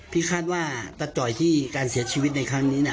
คาดว่าตะจ่อยที่การเสียชีวิตในครั้งนี้